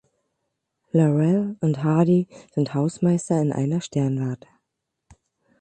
Laurel und Hardy sind Hausmeister in einer Sternwarte.